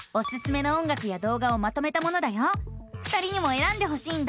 ２人にもえらんでほしいんだ。